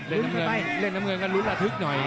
เล่นน้ำเงินก็รุ้นละทึกหน่อย